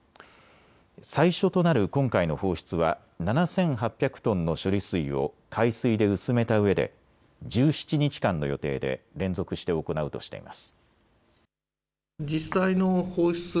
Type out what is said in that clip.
最初となる今回の放出は７８００トンの処理水を海水で薄めたうえで１７日間の予定で連続して行うとしています。